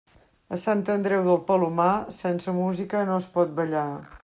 A Sant Andreu del Palomar, sense música no es pot ballar.